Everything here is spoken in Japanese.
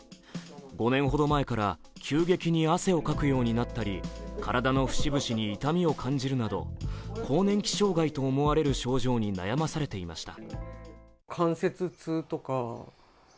５年ほど前から急激に汗をかくようになったり、体の節々に痛みを感じるなど更年期障害と思われる症状に悩まされていました。